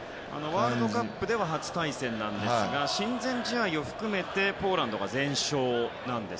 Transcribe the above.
ワールドカップでは初対戦なんですが親善試合を含めてポーランドが全勝。